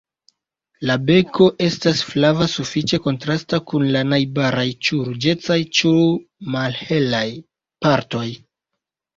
La beko estas flava sufiĉe kontrasta kun la najbaraj ĉu ruĝecaj ĉu malhelaj partoj.